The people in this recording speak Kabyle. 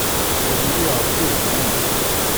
Ad yili Ṛebbi d mmi.